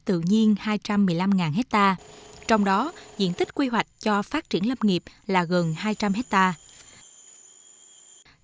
tự nhiên hai trăm một mươi năm hectare trong đó diện tích quy hoạch cho phát triển lâm nghiệp là gần hai trăm linh hectare